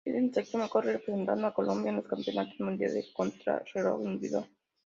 En septiembre corre representando a Colombia en los Campeonato Mundiales de Contrarreloj Individual.